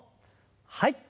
はい。